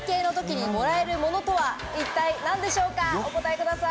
お答えください。